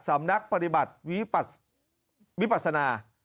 สำนักปฏิบัติวิปัสนา